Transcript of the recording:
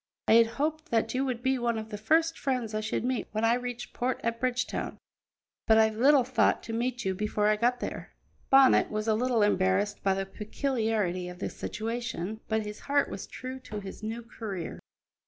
"I had hoped that you would be one of the first friends I should meet when I reached port at Bridgetown, but I little thought to meet you before I got there." Bonnet was a little embarrassed by the peculiarity of the situation, but his heart was true to his new career.